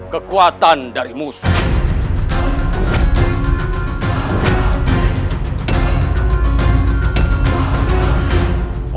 kekuatan dari musuh